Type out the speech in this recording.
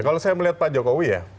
kalau saya melihat pak jokowi ya